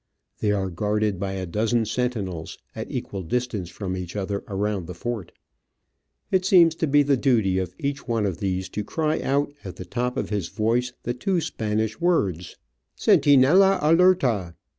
They are guarded by a dozen sentinels, at equal distance from each other around the fort. It seems to be the duty of each one of these to cry out, at the top of his voice, the two Spanish words, Centinela, alerta